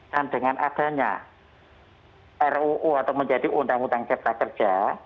dan dengan adanya ruu atau menjadi undang undang kepala kerja